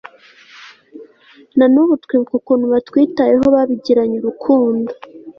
na n'ubu twibuka ukuntu batwitayeho babigiranye urukundo